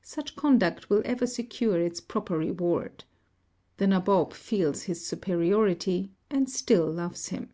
Such conduct will ever secure its proper reward. The Nabob feels his superiority, and still loves him.